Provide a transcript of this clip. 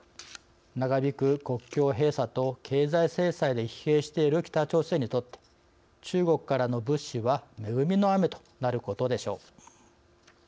長引く国境閉鎖と経済制裁で疲弊している北朝鮮にとって中国からの物資は恵みの雨となることでしょう。